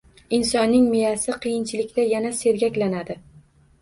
Insonning miyasi qiyinchilikda yana sergaklanadi